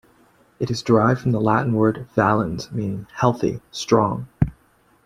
It is derived from the Latin word "valens" meaning "healthy, strong".